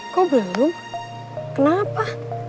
kok belum kenapa